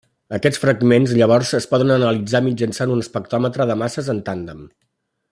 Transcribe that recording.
Aquests fragments llavors es poden analitzar mitjançant un espectròmetre de masses en tàndem.